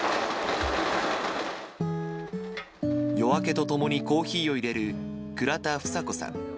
夜明けとともにコーヒーをいれる倉田房子さん。